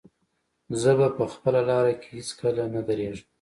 زه به په خپله لاره کې هېڅکله نه درېږم.